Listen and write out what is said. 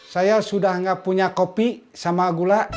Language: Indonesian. saya sudah tidak punya kopi sama gula